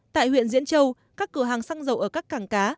tại huyện diễn châu các cửa hàng xăng dầu ở các cảng cá